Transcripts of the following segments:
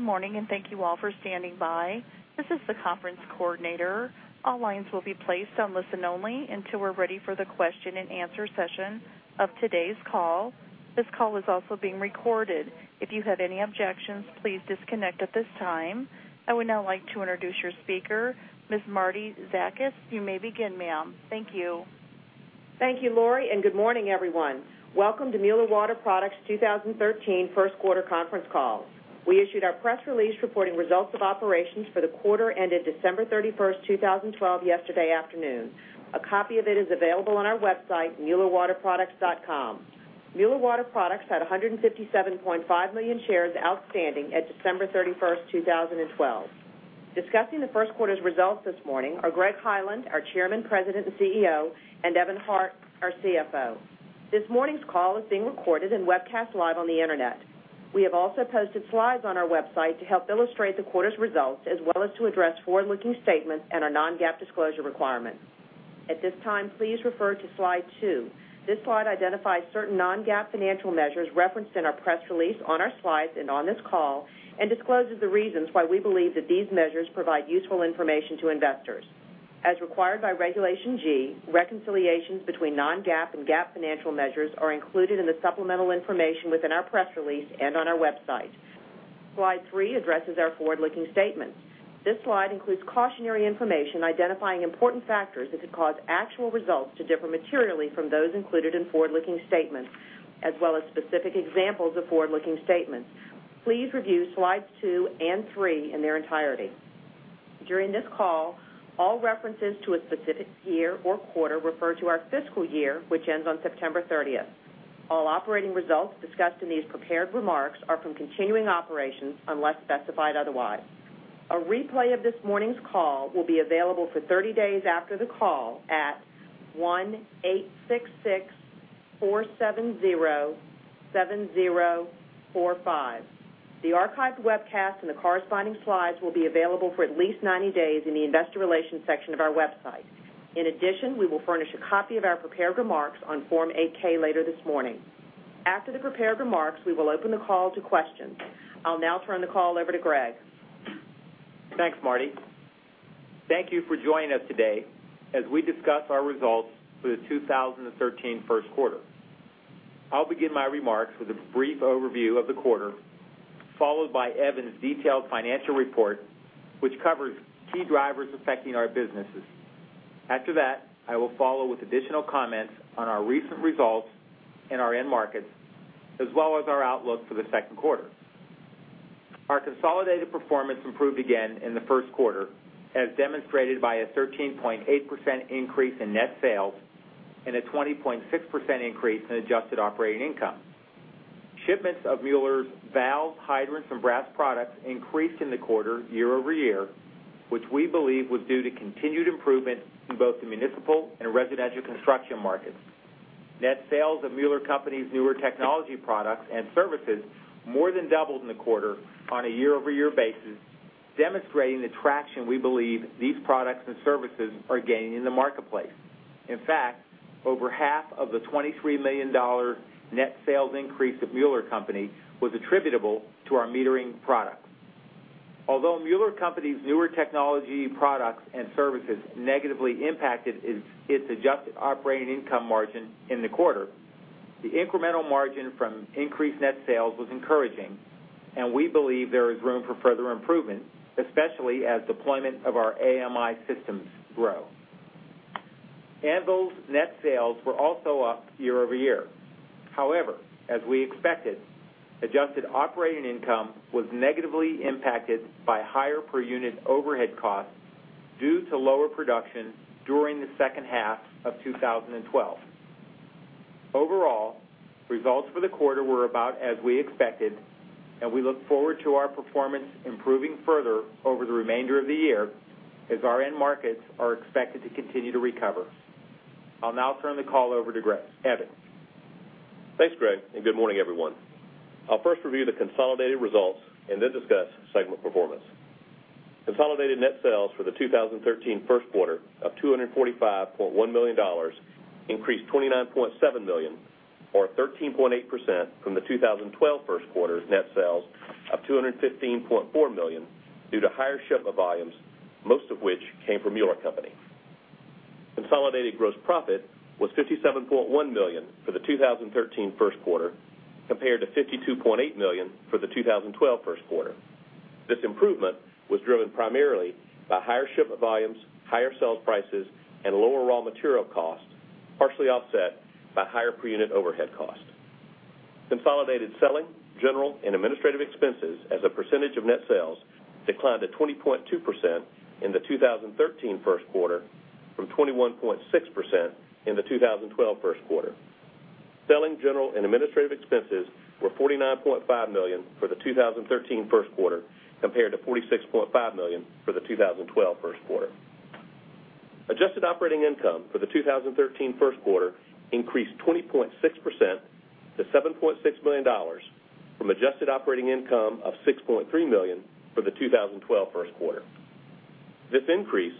Good morning. Thank you all for standing by. This is the conference coordinator. All lines will be placed on listen only until we're ready for the question and answer session of today's call. This call is also being recorded. If you have any objections, please disconnect at this time. I would now like to introduce your speaker, Ms. Marietta Zakas. You may begin, ma'am. Thank you. Thank you, Lori. Good morning, everyone. Welcome to Mueller Water Products' 2013 first quarter conference call. We issued our press release reporting results of operations for the quarter ended December 31st, 2012, yesterday afternoon. A copy of it is available on our website, muellerwaterproducts.com. Mueller Water Products had 157.5 million shares outstanding at December 31st, 2012. Discussing the first quarter's results this morning are Greg Hyland, our Chairman, President, and CEO, and Evan Hart, our CFO. This morning's call is being recorded and webcast live on the internet. We have also posted slides on our website to help illustrate the quarter's results, as well as to address forward-looking statements and our non-GAAP disclosure requirements. At this time, please refer to slide two. This slide identifies certain non-GAAP financial measures referenced in our press release, on our slides, and on this call. Discloses the reasons why we believe that these measures provide useful information to investors. As required by Regulation G, reconciliations between non-GAAP and GAAP financial measures are included in the supplemental information within our press release and on our website. Slide three addresses our forward-looking statements. This slide includes cautionary information identifying important factors that could cause actual results to differ materially from those included in forward-looking statements, as well as specific examples of forward-looking statements. Please review slides two and three in their entirety. During this call, all references to a specific year or quarter refer to our fiscal year, which ends on September 30th. All operating results discussed in these prepared remarks are from continuing operations unless specified otherwise. A replay of this morning's call will be available for 30 days after the call at 1-866-470-7045. The archived webcast and the corresponding slides will be available for at least 90 days in the investor relations section of our website. In addition, we will furnish a copy of our prepared remarks on Form 8-K later this morning. After the prepared remarks, we will open the call to questions. I'll now turn the call over to Greg. Thanks, Marti. Thank you for joining us today as we discuss our results for the 2013 first quarter. I'll begin my remarks with a brief overview of the quarter, followed by Evan's detailed financial report, which covers key drivers affecting our businesses. After that, I will follow with additional comments on our recent results in our end markets, as well as our outlook for the second quarter. Our consolidated performance improved again in the first quarter, as demonstrated by a 13.8% increase in net sales and a 20.6% increase in adjusted operating income. Shipments of Mueller's valves, hydrants, and brass products increased in the quarter year-over-year, which we believe was due to continued improvement in both the municipal and residential construction markets. Net sales of Mueller Co's newer technology products and services more than doubled in the quarter on a year-over-year basis, demonstrating the traction we believe these products and services are gaining in the marketplace. In fact, over half of the $23 million net sales increase at Mueller Co was attributable to our metering products. Although Mueller Co's newer technology products and services negatively impacted its adjusted operating income margin in the quarter, the incremental margin from increased net sales was encouraging, and we believe there is room for further improvement, especially as deployment of our AMI systems grow. Anvil's net sales were also up year-over-year. However, as we expected, adjusted operating income was negatively impacted by higher per unit overhead costs due to lower production during the second half of 2012. Overall, results for the quarter were about as we expected, we look forward to our performance improving further over the remainder of the year as our end markets are expected to continue to recover. I'll now turn the call over to Evan. Thanks, Greg, good morning, everyone. I'll first review the consolidated results and then discuss segment performance. Consolidated net sales for the 2013 first quarter of $245.1 million increased $29.7 million, or 13.8%, from the 2012 first quarter's net sales of $215.4 million due to higher shipment volumes, most of which came from Mueller Co Consolidated gross profit was $57.1 million for the 2013 first quarter compared to $52.8 million for the 2012 first quarter. This improvement was driven primarily by higher shipment volumes, higher sales prices, and lower raw material costs, partially offset by higher per unit overhead costs. Consolidated selling, general, and administrative expenses as a percentage of net sales declined to 20.2% in the 2013 first quarter from 21.6% in the 2012 first quarter. Selling, general, and administrative expenses were $49.5 million for the 2013 first quarter compared to $46.5 million for the 2012 first quarter. Adjusted operating income for the 2013 first quarter increased 20.6% to $7.6 million from adjusted operating income of $6.3 million for the 2012 first quarter. This increase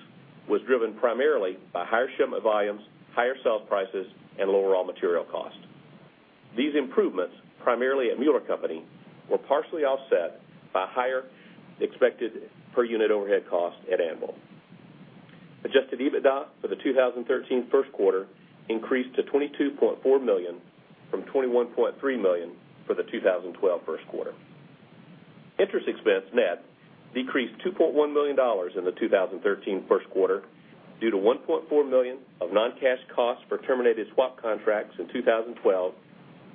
was driven primarily by higher shipment volumes, higher sales prices, and lower raw material costs. These improvements, primarily at Mueller Co, were partially offset by higher expected per-unit overhead costs at Anvil. Adjusted EBITDA for the 2013 first quarter increased to $22.4 million from $21.3 million for the 2012 first quarter. Interest expense net decreased to $2.1 million in the 2013 first quarter due to $1.4 million of non-cash costs for terminated swap contracts in 2012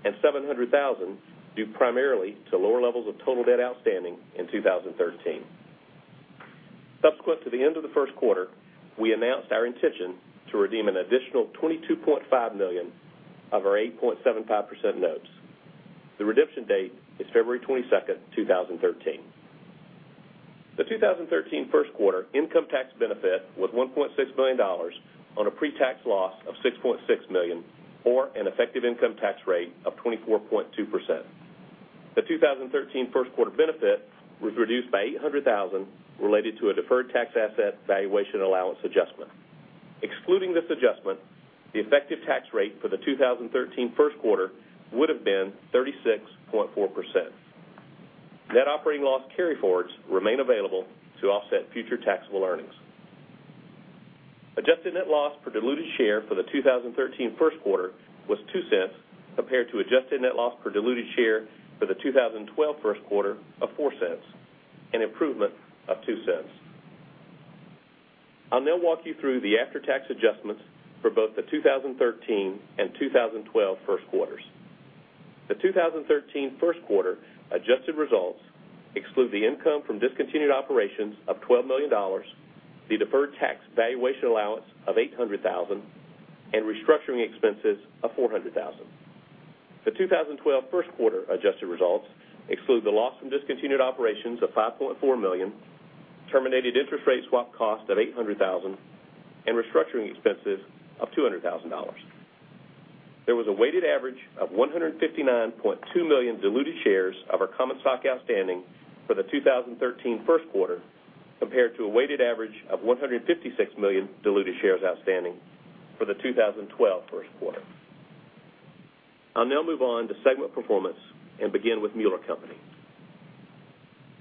and $700,000 due primarily to lower levels of total debt outstanding in 2013. Subsequent to the end of the first quarter, we announced our intention to redeem an additional $22.5 million of our 8.75% notes. The redemption date is February 22, 2013. The 2013 first quarter income tax benefit was $1.6 million on a pre-tax loss of $6.6 million, or an effective income tax rate of 24.2%. The 2013 first quarter benefit was reduced by $800,000 related to a deferred tax asset valuation allowance adjustment. Excluding this adjustment, the effective tax rate for the 2013 first quarter would've been 36.4%. Net operating loss carryforwards remain available to offset future taxable earnings. Adjusted net loss per diluted share for the 2013 first quarter was $0.02, compared to adjusted net loss per diluted share for the 2012 first quarter of $0.04, an improvement of $0.02. I'll now walk you through the after-tax adjustments for both the 2013 and 2012 first quarters. The 2013 first quarter adjusted results exclude the income from discontinued operations of $12 million, the deferred tax valuation allowance of $800,000, and restructuring expenses of $400,000. The 2012 first quarter adjusted results exclude the loss from discontinued operations of $5.4 million, terminated interest rate swap cost of $800,000, and restructuring expenses of $200,000. There was a weighted average of 159.2 million diluted shares of our common stock outstanding for the 2013 first quarter compared to a weighted average of 156 million diluted shares outstanding for the 2012 first quarter. I'll now move on to segment performance and begin with Mueller Co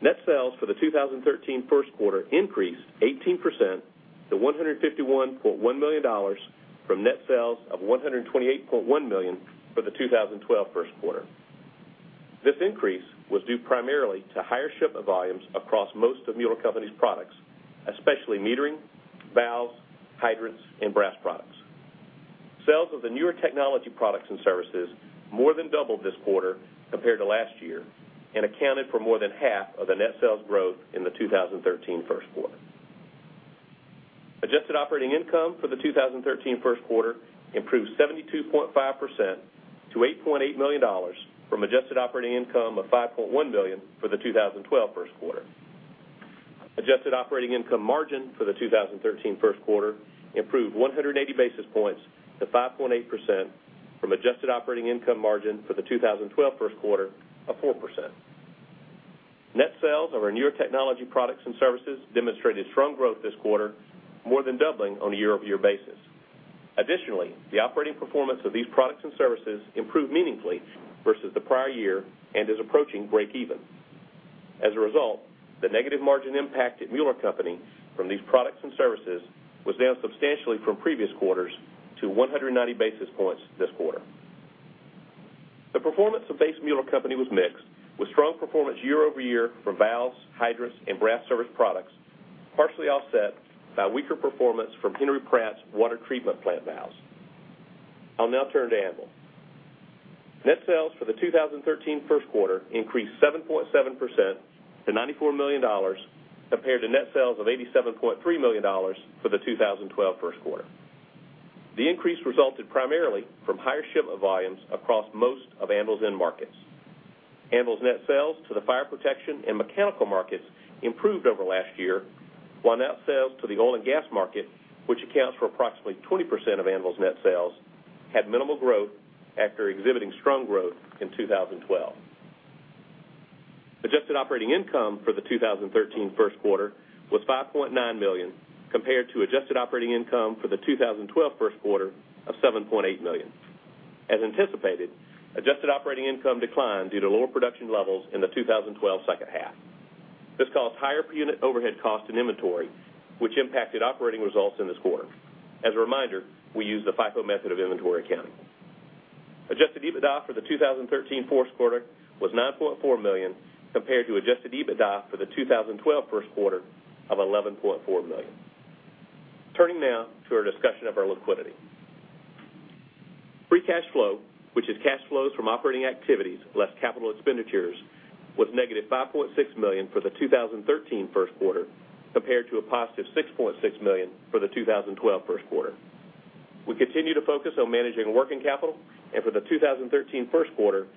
Net sales for the 2013 first quarter increased 18% to $151.1 million from net sales of $128.1 million for the 2012 first quarter. This increase was due primarily to higher shipment volumes across most of Mueller Co's products, especially metering, valves, hydrants, and brass products. Sales of the newer technology products and services more than doubled this quarter compared to last year and accounted for more than half of the net sales growth in the 2013 first quarter. Adjusted operating income for the 2013 first quarter improved 72.5% to $8.8 million from adjusted operating income of $5.1 million for the 2012 first quarter. Adjusted operating income margin for the 2013 first quarter improved 180 basis points to 5.8% from adjusted operating income margin for the 2012 first quarter of 4%. Net sales of our newer technology products and services demonstrated strong growth this quarter, more than doubling on a year-over-year basis. Additionally, the operating performance of these products and services improved meaningfully versus the prior year and is approaching breakeven. As a result, the negative margin impact at Mueller Company from these products and services was down substantially from previous quarters to 190 basis points this quarter. The performance of base Mueller Company was mixed, with strong performance year-over-year for valves, hydrants, and brass service products, partially offset by weaker performance from Henry Pratt's water treatment plant valves. I'll now turn to Anvil. Net sales for the 2013 first quarter increased 7.7% to $94 million compared to net sales of $87.3 million for the 2012 first quarter. The increase resulted primarily from higher shipment volumes across most of Anvil's end markets. Anvil's net sales to the fire protection and mechanical markets improved over last year, while net sales to the oil and gas market, which accounts for approximately 20% of Anvil's net sales, had minimal growth after exhibiting strong growth in 2012. Adjusted operating income for the 2013 first quarter was $5.9 million compared to adjusted operating income for the 2012 first quarter of $7.8 million. As anticipated, adjusted operating income declined due to lower production levels in the 2012 second half. This caused higher per-unit overhead costs in inventory, which impacted operating results in this quarter. As a reminder, we use the FIFO method of inventory accounting. Adjusted EBITDA for the 2013 first quarter was $9.4 million compared to adjusted EBITDA for the 2012 first quarter of $11.4 million. Turning now to our discussion of our liquidity. Free cash flow, which is cash flows from operating activities less capital expenditures, was negative $5.6 million for the 2013 first quarter compared to a positive $6.6 million for the 2012 first quarter. We continue to focus on managing working capital. For the 2013 first quarter,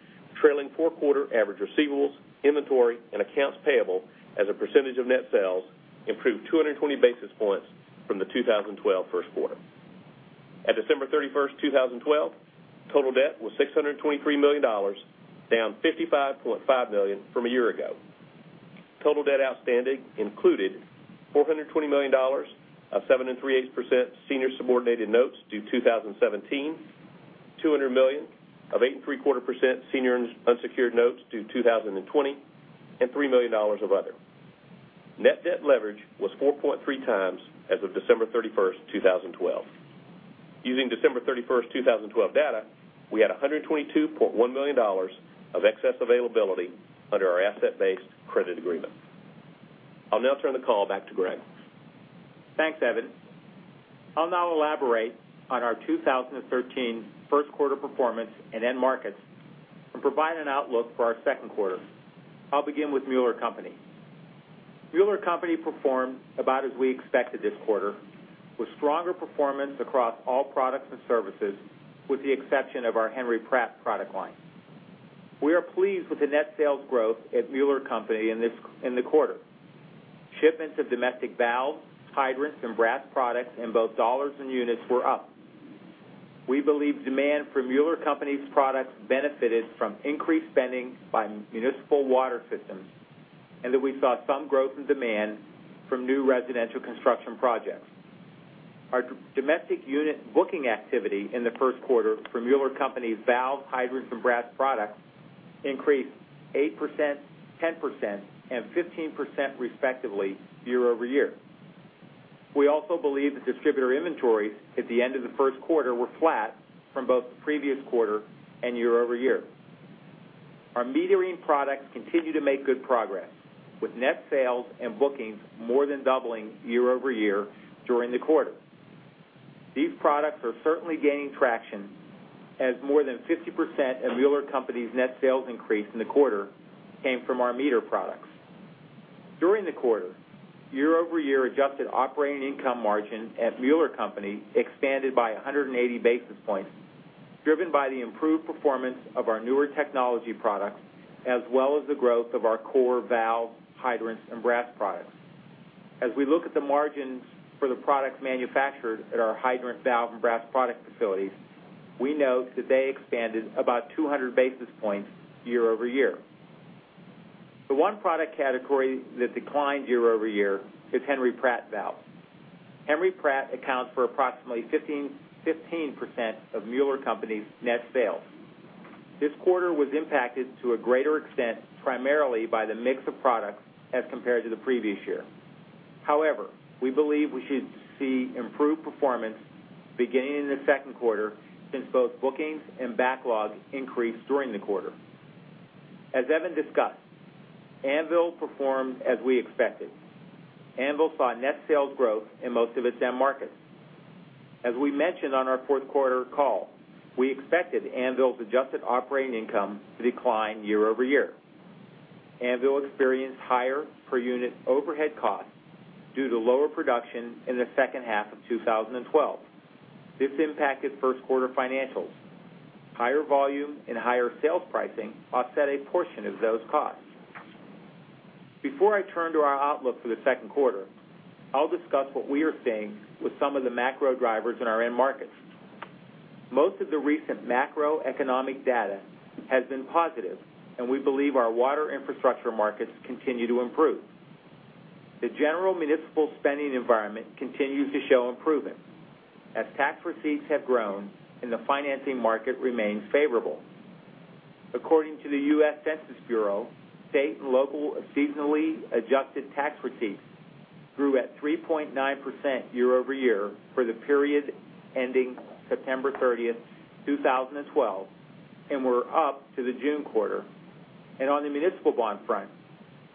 trailing four-quarter average receivables, inventory, and accounts payable as a percentage of net sales improved 220 basis points from the 2012 first quarter. 31st, 2012, total debt was $623 million, down $55.5 million from a year ago. Total debt outstanding included $420 million of 7.375% senior subordinated notes due 2017, $200 million of 8.75% senior unsecured notes due 2020, and $3 million of other. Net debt leverage was 4.3 times as of December 31st, 2012. Using December 31st, 2012 data, we had $122.1 million of excess availability under our asset-based credit agreement. I'll now turn the call back to Greg. Thanks, Evan. I'll now elaborate on our 2013 first quarter performance and end markets and provide an outlook for our second quarter. I'll begin with Mueller Company. Mueller Company performed about as we expected this quarter, with stronger performance across all products and services, with the exception of our Henry Pratt product line. We are pleased with the net sales growth at Mueller Company in the quarter. Shipments of domestic valves, hydrants, and brass products in both dollars and units were up. We believe demand for Mueller Company's products benefited from increased spending by municipal water systems, and that we saw some growth in demand from new residential construction projects. Our domestic unit booking activity in the first quarter for Mueller Company's valve, hydrants, and brass products increased 8%, 10%, and 15% respectively year-over-year. We also believe the distributor inventories at the end of the first quarter were flat from both the previous quarter and year-over-year. Our metering products continue to make good progress, with net sales and bookings more than doubling year-over-year during the quarter. These products are certainly gaining traction, as more than 50% of Mueller Co's net sales increase in the quarter came from our meter products. During the quarter, year-over-year adjusted operating income margin at Mueller Co expanded by 180 basis points, driven by the improved performance of our newer technology products, as well as the growth of our core valve, hydrants, and brass products. As we look at the margins for the products manufactured at our hydrant, valve, and brass product facilities, we note that they expanded about 200 basis points year-over-year. The one product category that declined year-over-year is Henry Pratt valves. Henry Pratt accounts for approximately 15% of Mueller Co's net sales. This quarter was impacted to a greater extent, primarily by the mix of products as compared to the previous year. We believe we should see improved performance beginning in the second quarter, since both bookings and backlog increased during the quarter. As Evan discussed, Anvil performed as we expected. Anvil saw net sales growth in most of its end markets. As we mentioned on our fourth quarter call, we expected Anvil's adjusted operating income to decline year-over-year. Anvil experienced higher per-unit overhead costs due to lower production in the second half of 2012. This impacted first quarter financials. Higher volume and higher sales pricing offset a portion of those costs. Before I turn to our outlook for the second quarter, I'll discuss what we are seeing with some of the macro drivers in our end markets. Most of the recent macroeconomic data has been positive. We believe our water infrastructure markets continue to improve. The general municipal spending environment continues to show improvement as tax receipts have grown and the financing market remains favorable. According to the U.S. Census Bureau, state and local seasonally adjusted tax receipts grew at 3.9% year-over-year for the period ending September 30, 2012, and were up to the June quarter. On the municipal bond front,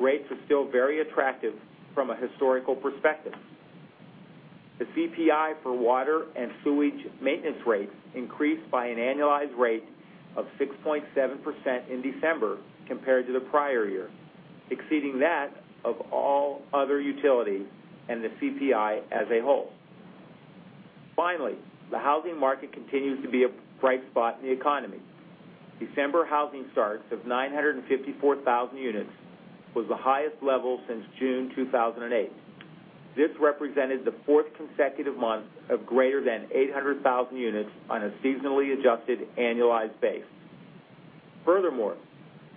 rates are still very attractive from a historical perspective. The CPI for water and sewage maintenance rates increased by an annualized rate of 6.7% in December compared to the prior year, exceeding that of all other utilities and the CPI as a whole. The housing market continues to be a bright spot in the economy. December housing starts of 954,000 units was the highest level since June 2008. This represented the fourth consecutive month of greater than 800,000 units on a seasonally adjusted annualized base.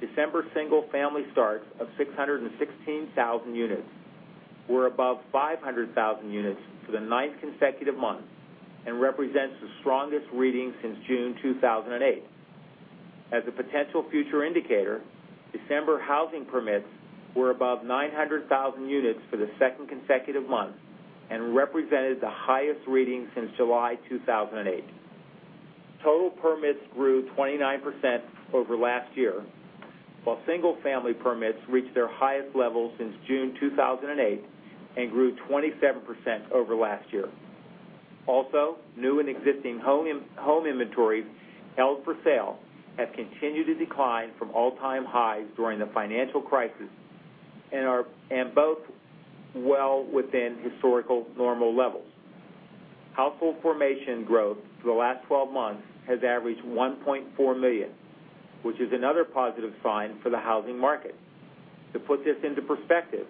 December single-family starts of 616,000 units were above 500,000 units for the ninth consecutive month and represents the strongest reading since June 2008. As a potential future indicator, December housing permits were above 900,000 units for the second consecutive month and represented the highest reading since July 2008. Total permits grew 29% over last year, while single-family permits reached their highest level since June 2008 and grew 27% over last year. New and existing home inventories held for sale have continued to decline from all-time highs during the financial crisis and are both well within historical normal levels. Household formation growth for the last 12 months has averaged 1.4 million, which is another positive sign for the housing market. To put this into perspective,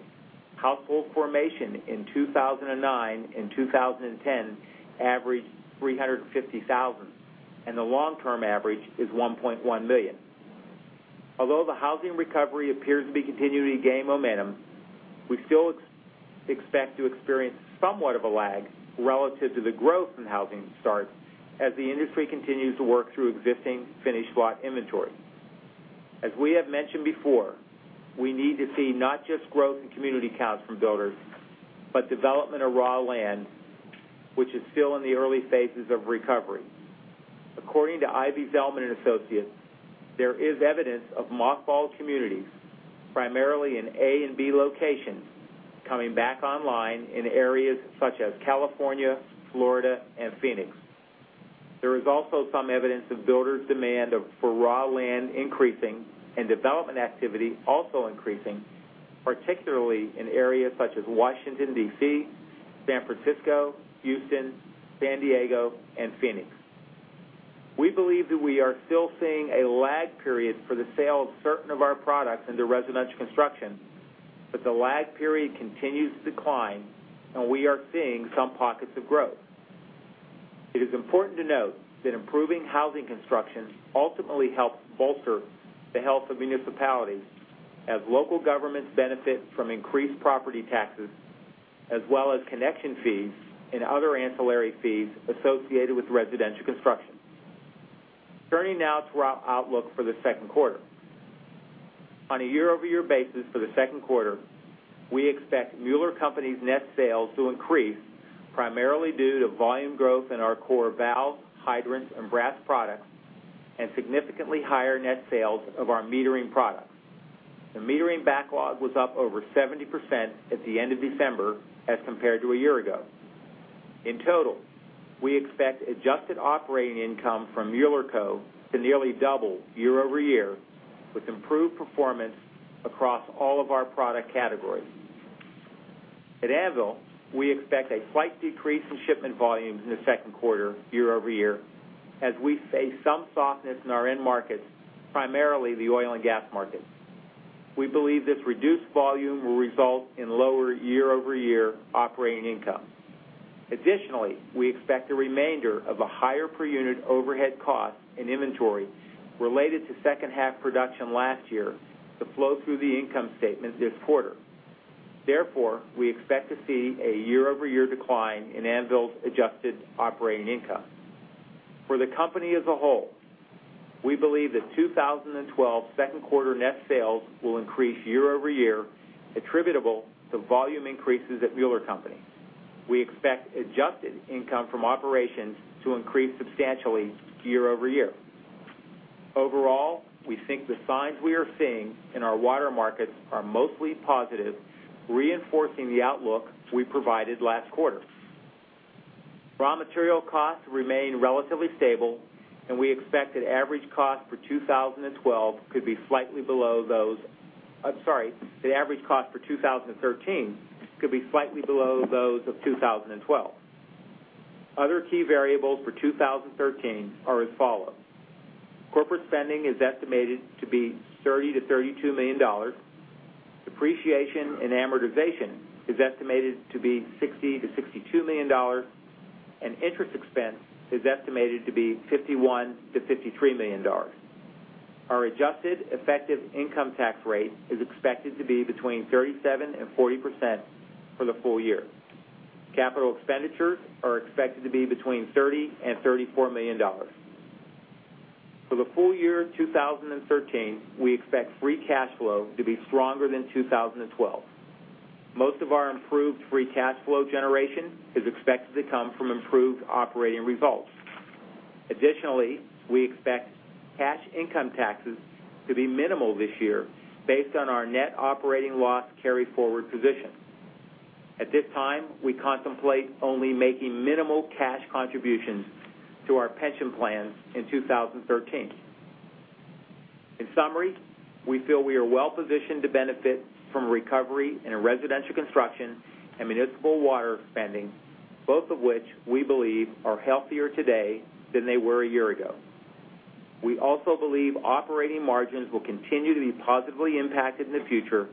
household formation in 2009 and 2010 averaged 350,000, and the long-term average is 1.1 million. Although the housing recovery appears to be continuing to gain momentum, we still expect to experience somewhat of a lag relative to the growth in housing starts as the industry continues to work through existing finished lot inventory. As we have mentioned before, we need to see not just growth in community counts from builders, but development of raw land, which is still in the early phases of recovery. According to Zelman & Associates, there is evidence of mothballed communities, primarily in A and B locations, coming back online in areas such as California, Florida, and Phoenix. There is also some evidence of builders' demand for raw land increasing and development activity also increasing, particularly in areas such as Washington, D.C., San Francisco, Houston, San Diego, and Phoenix. We believe that we are still seeing a lag period for the sale of certain of our products into residential construction, but the lag period continues to decline, and we are seeing some pockets of growth. It is important to note that improving housing construction ultimately helps bolster the health of municipalities as local governments benefit from increased property taxes, as well as connection fees and other ancillary fees associated with residential construction. Turning now to our outlook for the second quarter. On a year-over-year basis for the second quarter, we expect Mueller Co's net sales to increase, primarily due to volume growth in our core valve, hydrants, and brass products, and significantly higher net sales of our metering products. The metering backlog was up over 70% at the end of December as compared to a year ago. In total, we expect adjusted operating income from Mueller Co to nearly double year-over-year with improved performance across all of our product categories. At Anvil, we expect a slight decrease in shipment volumes in the second quarter year-over-year as we face some softness in our end markets, primarily the oil and gas markets. We believe this reduced volume will result in lower year-over-year operating income. Additionally, we expect the remainder of a higher per unit overhead cost in inventory related to second half production last year to flow through the income statement this quarter. Therefore, we expect to see a year-over-year decline in Anvil's adjusted operating income. For the company as a whole, we believe that 2013's second quarter net sales will increase year-over-year attributable to volume increases at Mueller Co. We expect adjusted income from operations to increase substantially year-over-year. We think the signs we are seeing in our water markets are mostly positive, reinforcing the outlook we provided last quarter. Raw material costs remain relatively stable, and we expect that average cost for 2013 could be slightly below those of 2012. Other key variables for 2013 are as follows. Corporate spending is estimated to be $30 million-$32 million. Depreciation and amortization is estimated to be $60 million-$62 million, and interest expense is estimated to be $51 million-$53 million. Our adjusted effective income tax rate is expected to be between 37% and 40% for the full year. Capital expenditures are expected to be between $30 million and $34 million. For the full year 2013, we expect free cash flow to be stronger than 2012. Most of our improved free cash flow generation is expected to come from improved operating results. We expect cash income taxes to be minimal this year based on our net operating loss carryforward position. At this time, we contemplate only making minimal cash contributions to our pension plans in 2013. In summary, we feel we are well-positioned to benefit from recovery in residential construction and municipal water spending, both of which we believe are healthier today than they were a year ago. We also believe operating margins will continue to be positively impacted in the future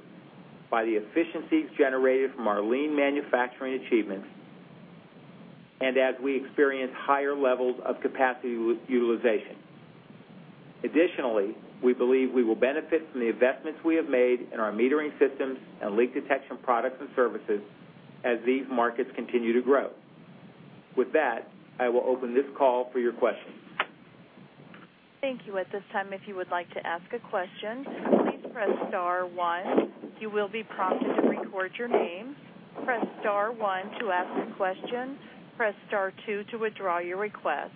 by the efficiencies generated from our lean manufacturing achievements and as we experience higher levels of capacity utilization. We believe we will benefit from the investments we have made in our metering systems and leak detection products and services as these markets continue to grow. With that, I will open this call for your questions. Thank you. At this time, if you would like to ask a question, please press star one. You will be prompted to record your name. Press star one to ask a question. Press star two to withdraw your request.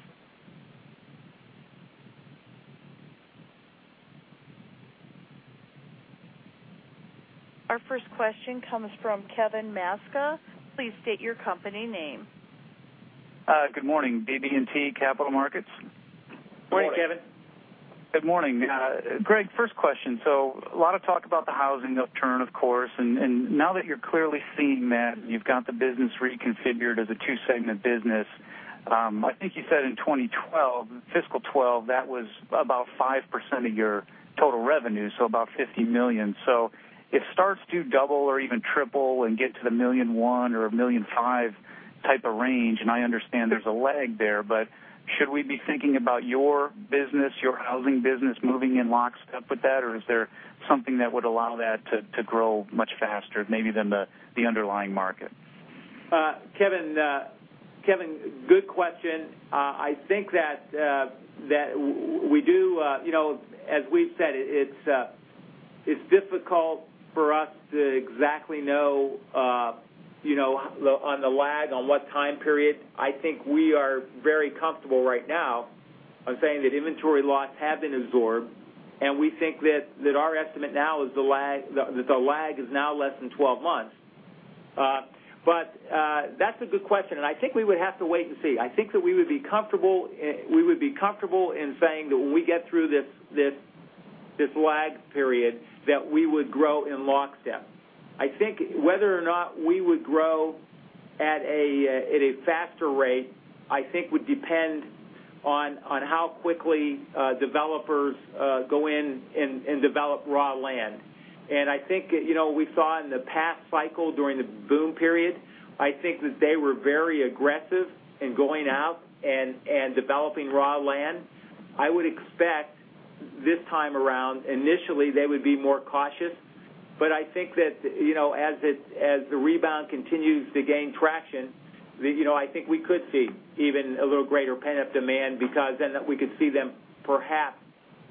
Our first question comes from Kevin Mascaro. Please state your company name. Good morning. BB&T Capital Markets. Morning, Kevin. Good morning. Greg, first question. A lot of talk about the housing upturn, of course. Now that you're clearly seeing that and you've got the business reconfigured as a two-segment business I think you said in 2012, fiscal 2012, that was about 5% of your total revenue, so about $50 million. It starts to double or even triple and get to the $1.1 million or $1.5 million type of range, and I understand there's a lag there, should we be thinking about your business, your housing business, moving in lockstep with that, or is there something that would allow that to grow much faster, maybe than the underlying market? Kevin, good question. As we've said, it's difficult for us to exactly know on the lag on what time period. I think we are very comfortable right now on saying that inventory lots have been absorbed, and we think that our estimate now is that the lag is now less than 12 months. That's a good question, and I think we would have to wait and see. I think that we would be comfortable in saying that when we get through this lag period, that we would grow in lockstep. I think whether or not we would grow at a faster rate, I think would depend on how quickly developers go in and develop raw land. I think we saw in the past cycle during the boom period, I think that they were very aggressive in going out and developing raw land. I would expect this time around, initially, they would be more cautious. I think that as the rebound continues to gain traction, I think we could see even a little greater pent-up demand because then we could see them perhaps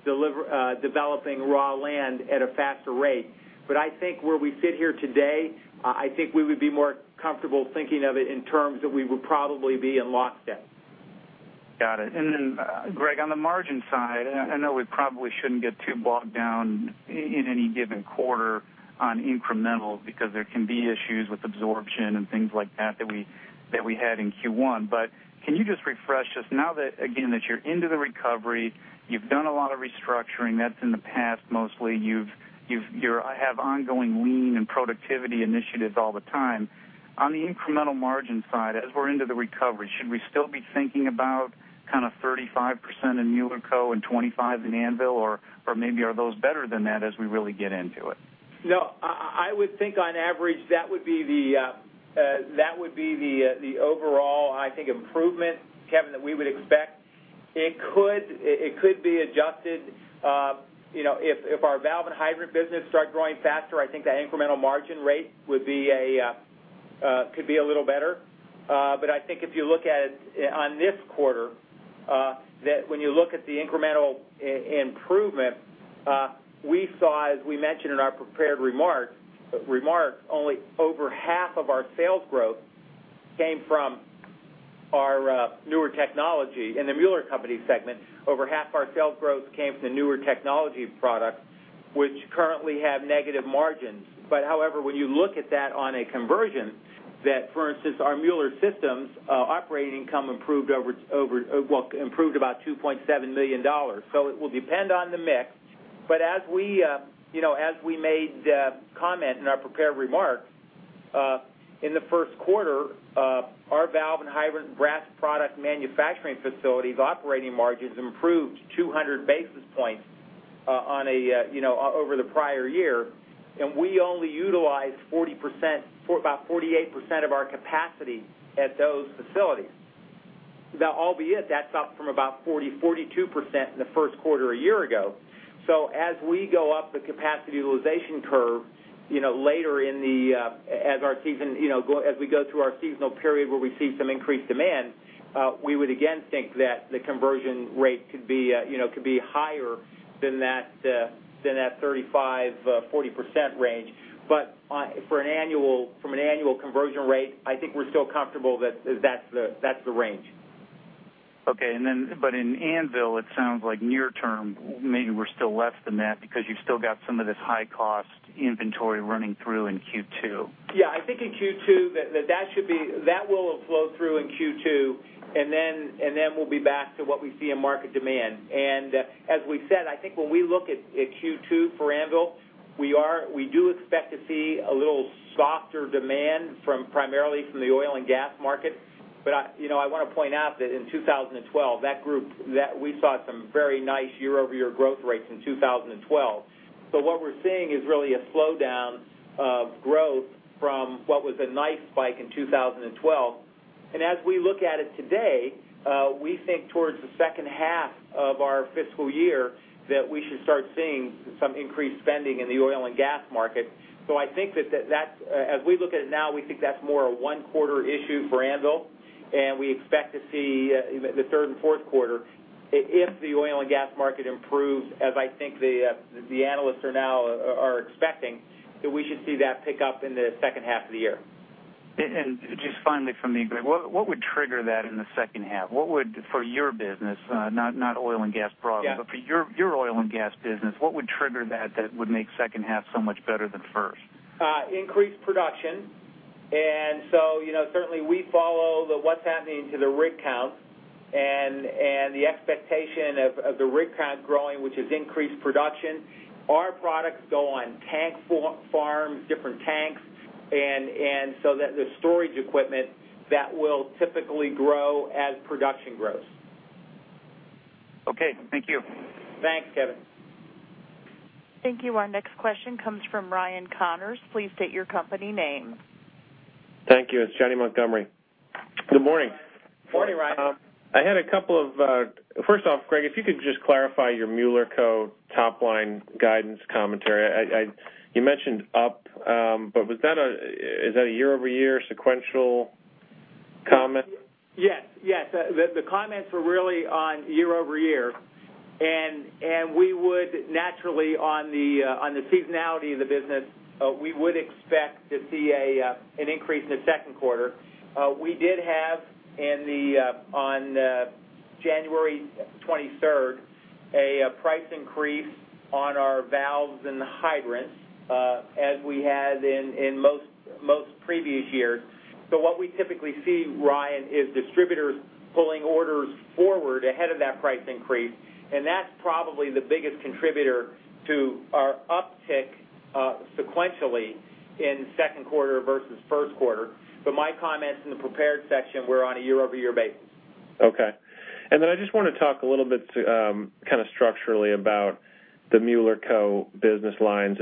developing raw land at a faster rate. I think where we sit here today, I think we would be more comfortable thinking of it in terms that we would probably be in lockstep. Got it. Greg, on the margin side, I know we probably shouldn't get too bogged down in any given quarter on incremental because there can be issues with absorption and things like that that we had in Q1. Can you just refresh us now that, again, that you're into the recovery, you've done a lot of restructuring, that's in the past mostly. You have ongoing lean and productivity initiatives all the time. On the incremental margin side, as we're into the recovery, should we still be thinking about 35% in Mueller Co and 25% in Anvil, or maybe are those better than that as we really get into it? No. I would think on average, that would be the overall, I think improvement, Kevin, that we would expect. It could be adjusted. If our valve and hydrant business start growing faster, I think the incremental margin rate could be a little better. I think if you look at it on this quarter, that when you look at the incremental improvement, we saw, as we mentioned in our prepared remarks, only over half of our sales growth came from our newer technology. In the Mueller Co segment, over half our sales growth came from the newer technology product, which currently have negative margins. However, when you look at that on a conversion, that, for instance, our Mueller Systems operating income improved about $2.7 million. It will depend on the mix. As we made comment in our prepared remarks, in the first quarter, our valve and hydrant brass product manufacturing facilities operating margins improved 200 basis points over the prior year, and we only utilized about 48% of our capacity at those facilities. Albeit, that's up from about 40%-42% in the first quarter a year ago. As we go up the capacity utilization curve later as we go through our seasonal period where we see some increased demand, we would again think that the conversion rate could be higher than that 35%-40% range. From an annual conversion rate, I think we're still comfortable that that's the range. Okay. In Anvil, it sounds like near term, maybe we're still less than that because you've still got some of this high-cost inventory running through in Q2. I think in Q2, that will flow through in Q2, and then we'll be back to what we see in market demand. I want to point out that in 2012, we saw some very nice year-over-year growth rates in 2012. What we're seeing is really a slowdown of growth from what was a nice spike in 2012. As we look at it today, we think towards the second half of our fiscal year that we should start seeing some increased spending in the oil and gas market. I think that as we look at it now, we think that's more a one-quarter issue for Anvil, and we expect to see the third and fourth quarter, if the oil and gas market improves, as I think the analysts are now expecting, that we should see that pick up in the second half of the year. Just finally from me, Greg, what would trigger that in the second half? What would, for your business, not oil and gas broadly- Yeah. For your oil and gas business, what would trigger that would make second half so much better than first? Increased production. Certainly we follow what's happening to the rig count. The expectation of the rig count growing, which is increased production. Our products go on tank farms, different tanks, and so the storage equipment that will typically grow as production grows. Okay. Thank you. Thanks, Kevin. Thank you. Our next question comes from Ryan Connors. Please state your company name. Thank you. It's Janney Montgomery. Good morning. Morning, Ryan. First off, Greg, if you could just clarify your Mueller Co top-line guidance commentary. You mentioned up, is that a year-over-year sequential comment? Yes. The comments were really on year-over-year, and we would naturally, on the seasonality of the business, we would expect to see an increase in the second quarter. We did have, on January 23rd, a price increase on our valves and hydrants as we had in most previous years. What we typically see, Ryan, is distributors pulling orders forward ahead of that price increase, and that's probably the biggest contributor to our uptick sequentially in second quarter versus first quarter. My comments in the prepared section were on a year-over-year basis. Okay. I just want to talk a little bit kind of structurally about the Mueller Co business lines.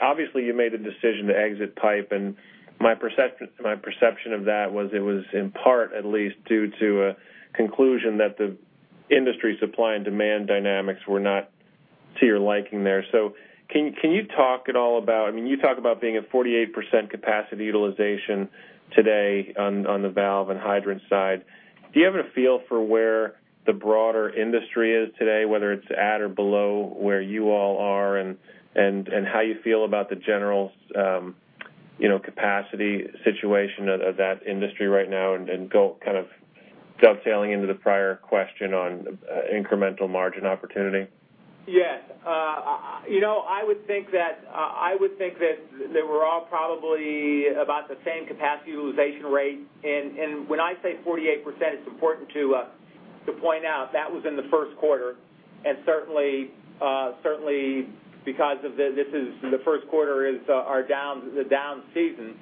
Obviously you made a decision to exit pipe, and my perception of that was it was in part at least due to a conclusion that the industry supply and demand dynamics were not to your liking there. Can you talk at all about, you talk about being at 48% capacity utilization today on the valve and hydrant side. Do you have a feel for where the broader industry is today, whether it's at or below where you all are, and how you feel about the general capacity situation of that industry right now? Go kind of dovetailing into the prior question on incremental margin opportunity. Yes. I would think that we're all probably about the same capacity utilization rate. When I say 48%, it's important to point out that was in the first quarter, and certainly because the first quarter is the down season.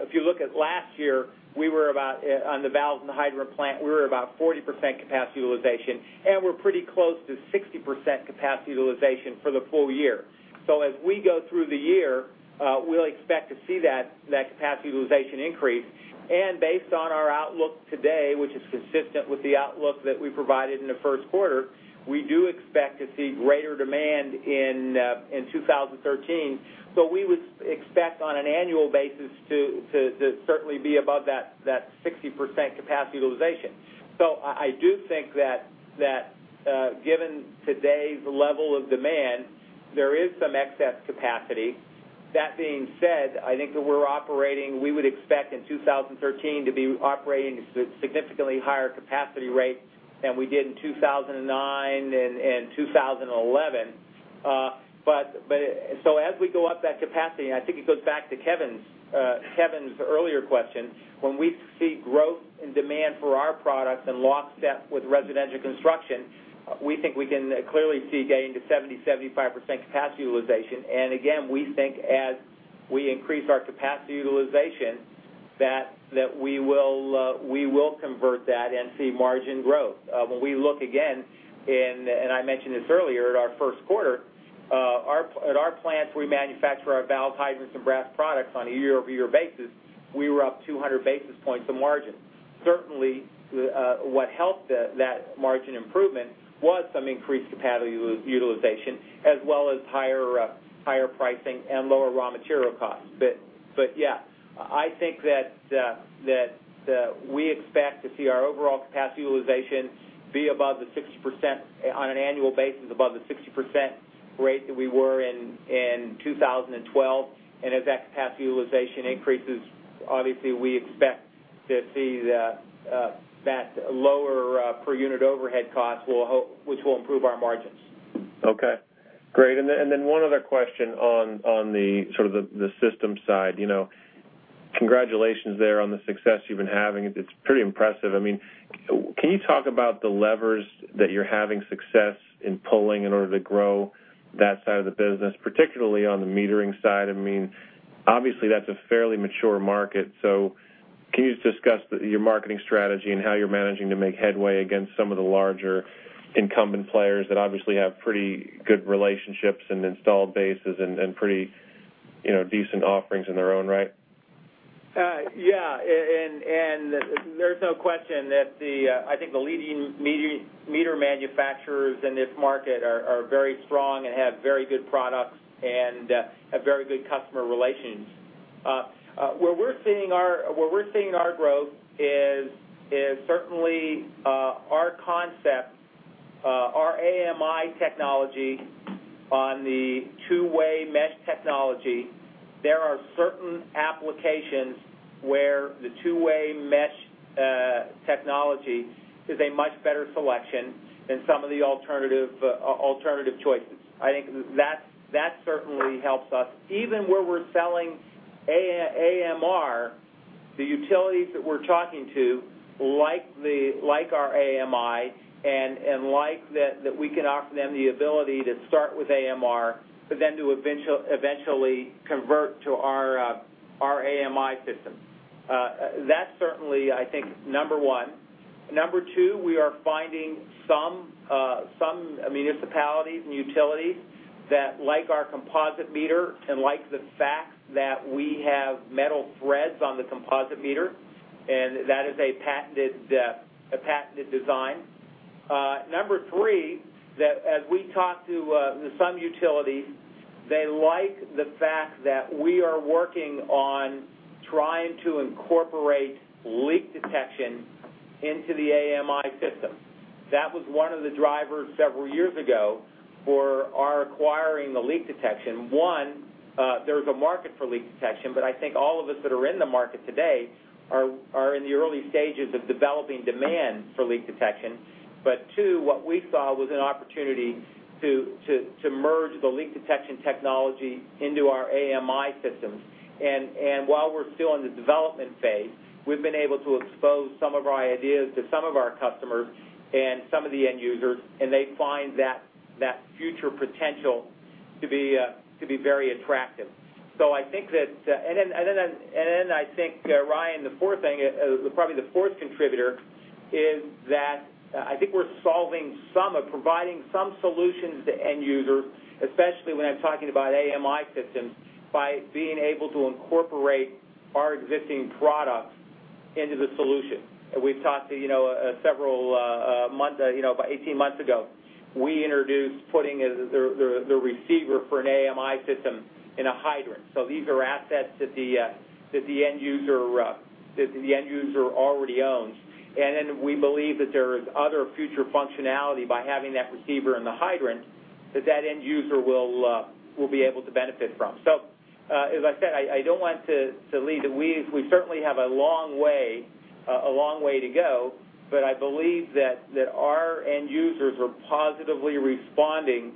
If you look at last year, on the valves and the hydrant plant, we were about 40% capacity utilization, and we're pretty close to 60% capacity utilization for the full year. As we go through the year, we'll expect to see that capacity utilization increase. Based on our outlook today, which is consistent with the outlook that we provided in the first quarter, we do expect to see greater demand in 2013. We would expect on an annual basis to certainly be above that 60% capacity utilization. I do think that given today's level of demand, there is some excess capacity. That being said, I think that we would expect in 2013 to be operating significantly higher capacity rates than we did in 2009 and 2011. As we go up that capacity, and I think it goes back to Kevin's earlier question, when we see growth in demand for our products in lockstep with residential construction, we think we can clearly see getting to 70%-75% capacity utilization. Again, we think as we increase our capacity utilization, that we will convert that and see margin growth. When we look again, and I mentioned this earlier, at our first quarter, at our plants we manufacture our valve hydrants and brass products on a year-over-year basis, we were up 200 basis points in margin. Certainly, what helped that margin improvement was some increased capacity utilization as well as higher pricing and lower raw material costs. Yeah, I think that we expect to see our overall capacity utilization on an annual basis above the 60% rate that we were in 2012. As that capacity utilization increases, obviously, we expect to see that lower per unit overhead cost which will improve our margins. Okay. Great. One other question on the sort of the systems side. Congratulations there on the success you've been having. It's pretty impressive. Can you talk about the levers that you're having success in pulling in order to grow that side of the business, particularly on the metering side? Obviously, that's a fairly mature market, can you just discuss your marketing strategy and how you're managing to make headway against some of the larger incumbent players that obviously have pretty good relationships and installed bases and pretty decent offerings in their own right? Yeah. There's no question that I think the leading meter manufacturers in this market are very strong and have very good products and have very good customer relations. Where we're seeing our growth is certainly our concept, our AMI technology on the two-way mesh technology. There are certain applications where the two-way mesh technology is a much better selection than some of the alternative choices. I think that certainly helps us. Even where we're selling AMR, the utilities that we're talking to like our AMI, and like that we can offer them the ability to start with AMR, but then to eventually convert to our AMI system. That's certainly, I think, number one. Number two, we are finding some municipalities and utilities that like our composite meter and like the fact that we have metal threads on the composite meter, and that is a patented design. Number three, as we talk to some utilities, they like the fact that we are working on trying to incorporate leak detection into the AMI system. That was one of the drivers several years ago for our acquiring the leak detection. One, there's a market for leak detection, but I think all of us that are in the market today are in the early stages of developing demand for leak detection. Two, what we saw was an opportunity to merge the leak detection technology into our AMI systems. While we're still in the development phase, we've been able to expose some of our ideas to some of our customers and some of the end users, and they find that future potential to be very attractive. I think, Ryan, probably the fourth contributor is that I think we're solving some or providing some solutions to end users, especially when I'm talking about AMI systems, by being able to incorporate our existing products into the solution. About 18 months ago, we introduced putting the receiver for an AMI system in a hydrant. These are assets that the end user already owns. We believe that there is other future functionality by having that receiver in the hydrant that that end user will be able to benefit from. As I said, I don't want to lead. We certainly have a long way to go, but I believe that our end users are positively responding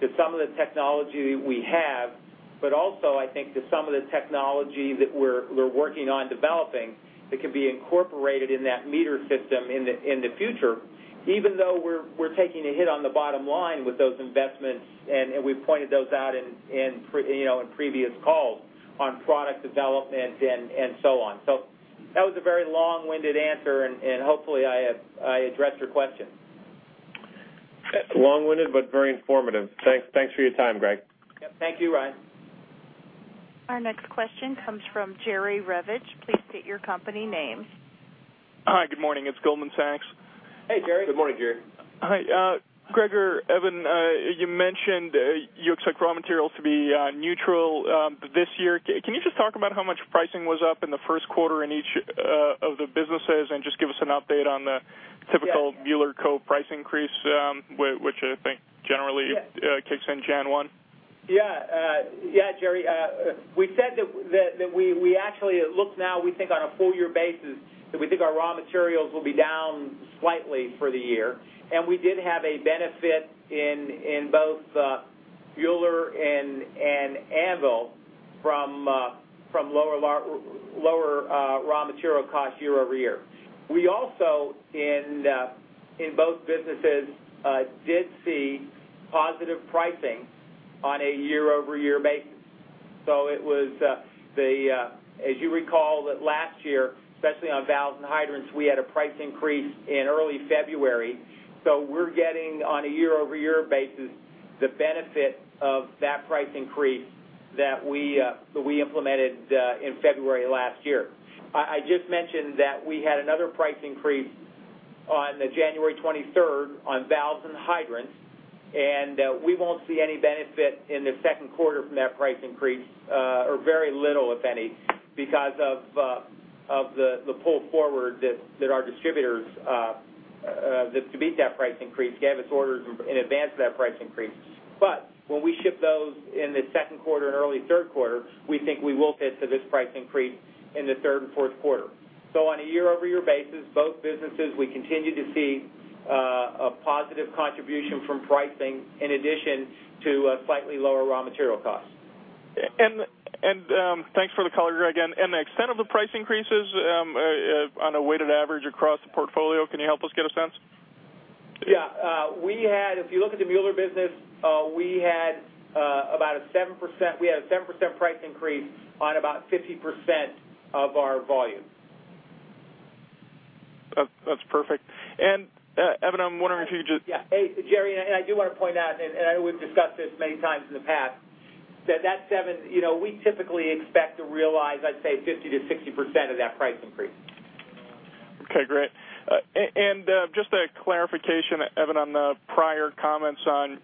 to some of the technology we have, but also, I think to some of the technology that we're working on developing that could be incorporated in that meter system in the future, even though we're taking a hit on the bottom line with those investments, and we've pointed those out in previous calls on product development and so on. That was a very long-winded answer, and hopefully I addressed your question. Long-winded, but very informative. Thanks for your time, Greg. Yep. Thank you, Ryan. Our next question comes from Jerry Revich. Please state your company name. Hi. Good morning. It's Goldman Sachs. Hey, Jerry. Good morning, Jerry. Hi. Gregory, Evan, you mentioned you expect raw materials to be neutral this year. Can you just talk about how much pricing was up in the first quarter in each of the businesses and just give us an update on the typical Mueller Co price increase, which I think generally kicks in January one? Yeah. Jerry, we said that we actually look now, we think on a full-year basis, that we think our raw materials will be down slightly for the year. We did have a benefit in both Mueller and Anvil from lower raw material cost year-over-year. We also, in both businesses, did see positive pricing on a year-over-year basis. As you recall that last year, especially on valves and hydrants, we had a price increase in early February. We're getting on a year-over-year basis, the benefit of that price increase that we implemented in February last year. I just mentioned that we had another price increase on January 23rd on valves and hydrants. We won't see any benefit in the second quarter from that price increase or very little, if any, because of the pull forward that our distributors, to beat that price increase, gave us orders in advance of that price increase. When we ship those in the second quarter and early third quarter, we think we will get to this price increase in the third and fourth quarter. On a year-over-year basis, both businesses, we continue to see a positive contribution from pricing in addition to slightly lower raw material costs. Thanks for the color, Greg. The extent of the price increases on a weighted average across the portfolio, can you help us get a sense? Yeah. If you look at the Mueller business, we had a 7% price increase on about 50% of our volume. That's perfect. Evan, I'm wondering if you just Yeah. Hey, Jerry, I do want to point out, we've discussed this many times in the past, that we typically expect to realize, let's say 50%-60% of that price increase. Okay, great. Just a clarification, Evan, on the prior comments on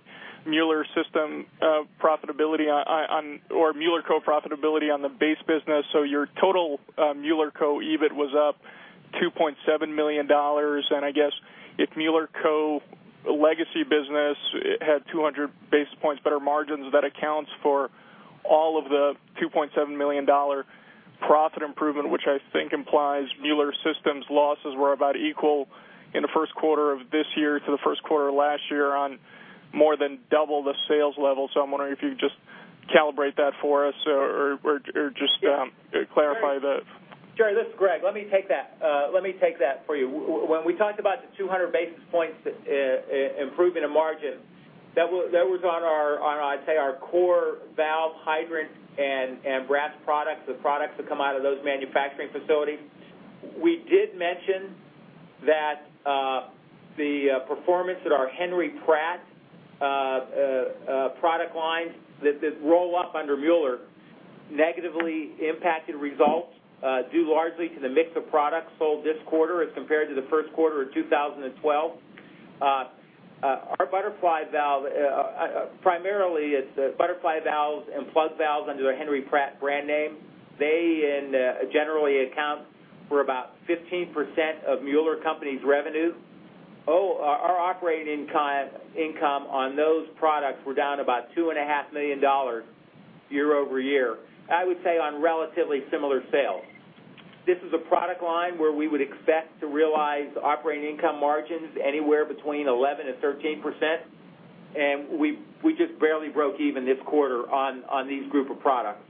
Mueller Systems profitability or Mueller Co profitability on the base business. Your total Mueller Co EBIT was up $2.7 million. I guess if Mueller Co legacy business had 200 basis points better margins, that accounts for all of the $2.7 million profit improvement, which I think implies Mueller Systems losses were about equal in the first quarter of this year to the first quarter of last year on more than double the sales level. I'm wondering if you just calibrate that for us or just clarify that. Jerry, this is Greg. Let me take that for you. When we talked about the 200 basis points improvement in margin, that was on our, I'd say, our core valve, hydrant, and brass products, the products that come out of those manufacturing facilities. We did mention that the performance at our Henry Pratt product lines that roll up under Mueller negatively impacted results due largely to the mix of products sold this quarter as compared to the first quarter of 2012. Our butterfly valve, primarily it's butterfly valves and plug valves under the Henry Pratt brand name. They generally account for about 15% of Mueller Co's revenue. Our operating income on those products were down about $2.5 million year-over-year, I would say on relatively similar sales. This is a product line where we would expect to realize operating income margins anywhere between 11% and 13%, and we just barely broke even this quarter on these group of products.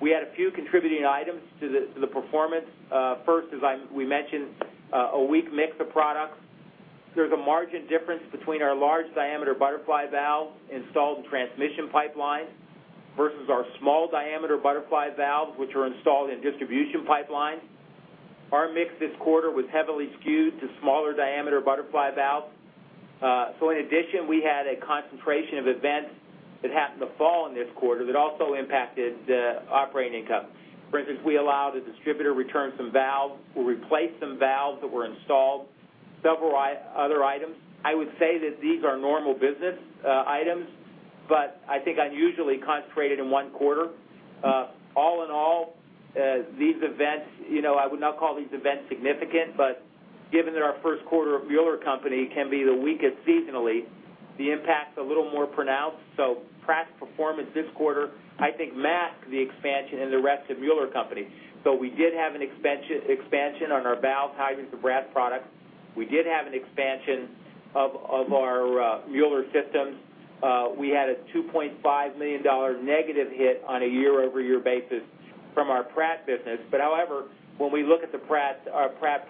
We had a few contributing items to the performance. First, as we mentioned, a weak mix of products. There's a margin difference between our large diameter butterfly valve installed in transmission pipelines versus our small diameter butterfly valves, which are installed in distribution pipelines. Our mix this quarter was heavily skewed to smaller diameter butterfly valves. In addition, we had a concentration of events that happened to fall in this quarter that also impacted operating income. For instance, we allowed a distributor to return some valves or replace some valves that were installed. Several other items, I would say that these are normal business items, but I think unusually concentrated in one quarter. All in all, these events, I would not call these events significant, but given that our first quarter of Mueller Co can be the weakest seasonally, the impact's a little more pronounced. Pratt's performance this quarter, I think, masked the expansion in the rest of Mueller Co. We did have an expansion on our valve hydrants and brass products. We did have an expansion of our Mueller Systems. We had a $2.5 million negative hit on a year-over-year basis from our Pratt business. However, when we look at the Pratt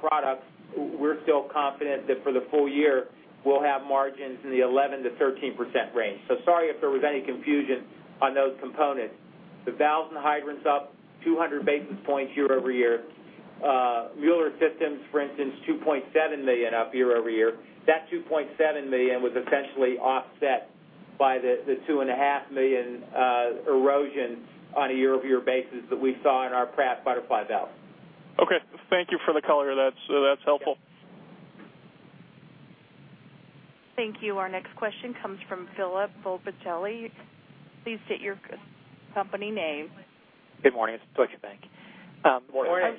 products, we're still confident that for the full year, we'll have margins in the 11%-13% range. Sorry if there was any confusion on those components. The valves and hydrants up 200 basis points year-over-year. Mueller Systems, for instance, $2.7 million up year-over-year. That $2.7 million was essentially offset by the $2.5 million erosion on a year-over-year basis that we saw in our Pratt butterfly valve. Okay. Thank you for the color. That's helpful. Thank you. Our next question comes from Philip Volpicelli. Please state your company name. Good morning. It's Deutsche Bank. Good morning.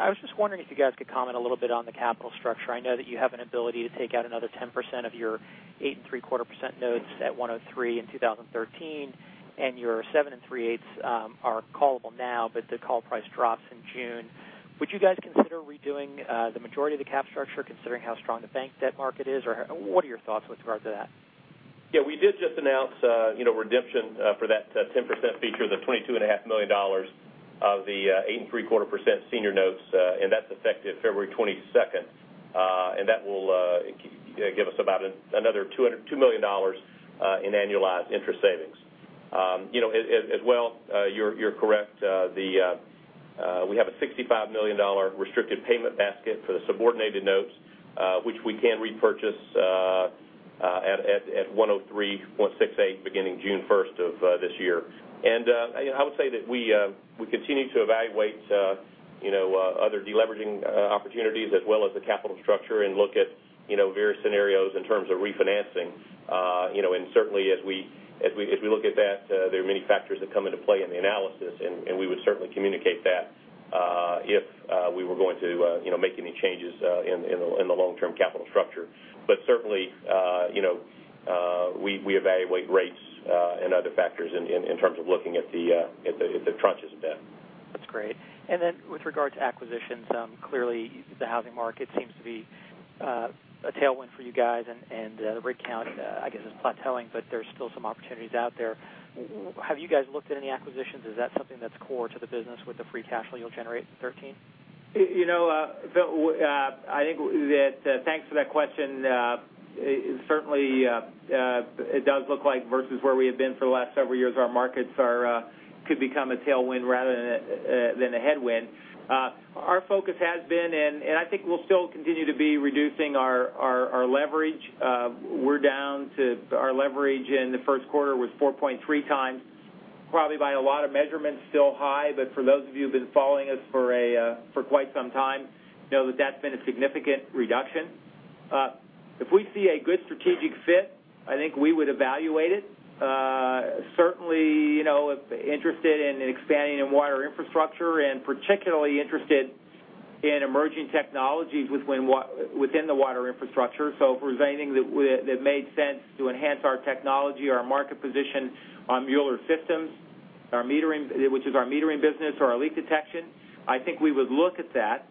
I was just wondering if you guys could comment a little bit on the capital structure. I know that you have an ability to take out another 10% of your 8.75% notes at 103 in 2013, and your 7.375 are callable now, but the call price drops in June. Would you guys consider redoing the majority of the cap structure, considering how strong the bank debt market is? What are your thoughts with regard to that? Yeah, we did just announce redemption for that 10% feature of the $22.5 million of the 8.75% senior notes, and that's effective February 22nd. That will give us about another $2 million in annualized interest savings. As well, you're correct. We have a $65 million restricted payment basket for the subordinated notes, which we can repurchase at 103.68 beginning June 1st of this year. I would say that we continue to evaluate other de-leveraging opportunities as well as the capital structure and look at various scenarios in terms of refinancing. Certainly as we look at that, there are many factors that come into play in the analysis, and we would certainly communicate that if we were going to make any changes in the long-term capital structure. Certainly we evaluate rates and other factors in terms of looking at the tranches of debt. That's great. Then with regard to acquisitions, clearly the housing market seems to be a tailwind for you guys and the rig count, I guess, is plateauing, but there's still some opportunities out there. Have you guys looked at any acquisitions? Is that something that's core to the business with the free cash flow you'll generate in 2013? Thanks for that question. Certainly, it does look like versus where we have been for the last several years, our markets could become a tailwind rather than a headwind. Our focus has been, I think we'll still continue to be reducing our leverage. Our leverage in the first quarter was 4.3 times. Probably by a lot of measurements, still high, but for those of you who've been following us for quite some time know that that's been a significant reduction. If we see a good strategic fit, I think we would evaluate it. Certainly interested in expanding in water infrastructure and particularly interested in emerging technologies within the water infrastructure. If there's anything that made sense to enhance our technology, our market position on Mueller Systems, which is our metering business, or our leak detection, I think we would look at that.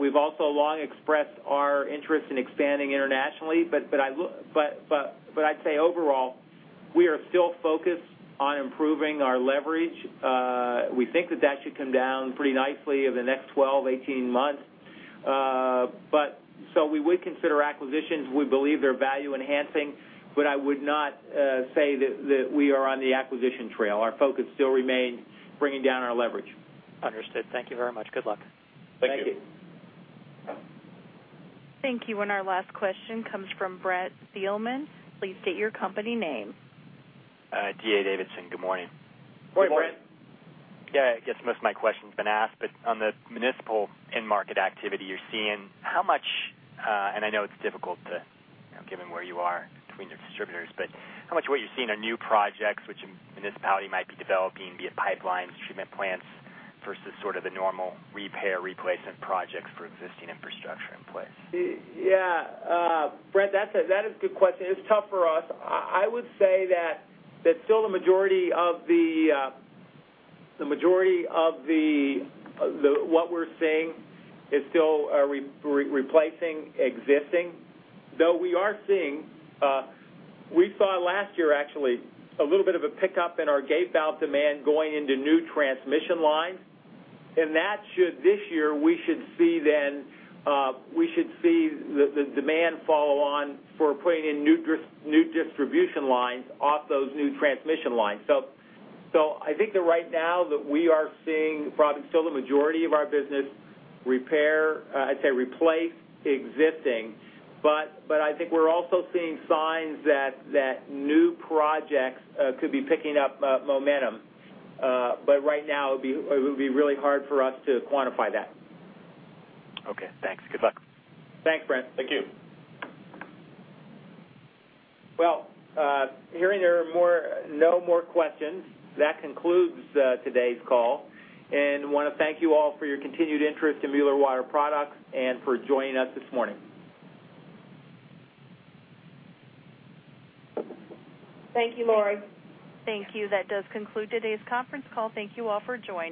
We've also long expressed our interest in expanding internationally. I'd say overall, we are still focused on improving our leverage. We think that that should come down pretty nicely over the next 12, 18 months. We would consider acquisitions. We believe they're value enhancing, but I would not say that we are on the acquisition trail. Our focus still remains bringing down our leverage. Understood. Thank you very much. Good luck. Thank you. Thank you. Our last question comes from Brett Spillman. Please state your company name. D.A. Davidson. Good morning. Good morning. Good morning. I guess most of my question's been asked, but on the municipal end market activity you're seeing, how much, and I know it's difficult, given where you are between your distributors, but how much of what you're seeing are new projects which a municipality might be developing, be it pipelines, treatment plants, versus sort of the normal repair replacement projects for existing infrastructure in place? Brett, that is a good question. It's tough for us. I would say that still the majority of what we're seeing is still replacing existing, though we saw last year, actually, a little bit of a pickup in our gate valve demand going into new transmission lines. This year, we should see the demand follow on for putting in new distribution lines off those new transmission lines. I think that right now that we are seeing probably still the majority of our business repair, I'd say replace existing, but I think we're also seeing signs that new projects could be picking up momentum. Right now it would be really hard for us to quantify that. Okay, thanks. Good luck. Thanks, Brett. Thank you. Well, hearing there are no more questions, that concludes today's call, and want to thank you all for your continued interest in Mueller Water Products and for joining us this morning. Thank you, Lori. Thank you. That does conclude today's conference call. Thank you all for joining.